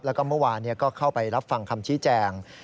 แล้วก็เมื่อวานก็เข้าไปรับฟังคำชี้แจง